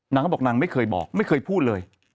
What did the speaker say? นางก็บอกนางไม่เคยบอกไม่เคยพูดเลย